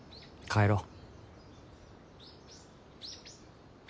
帰ろう。